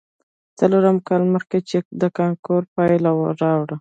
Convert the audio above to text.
څلور کاله مخې، چې کله د کانکور پايلې راوتې.